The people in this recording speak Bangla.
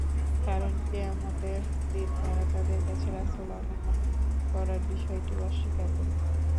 কারণ, কিয়ামতের দিন তারা তাদের কাছে রাসূল আগমন করার বিষয়টিও অস্বীকার করবে।